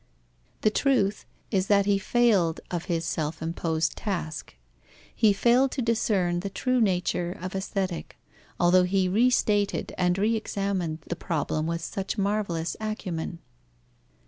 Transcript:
The truth is that he failed of his self imposed task; he failed to discern the true nature of Aesthetic, although he restated and re examined the problem with such marvellous acumen.